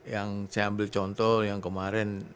yang saya ambil contoh yang kemarin